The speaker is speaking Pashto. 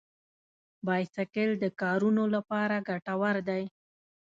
بایسکل د کارونو لپاره ګټور دی.